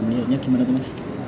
menilainya gimana tuh mas